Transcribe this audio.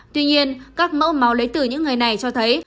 tuy nhiên các mẫu máu lấy từ những người này cho thấy